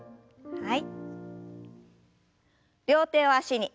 はい。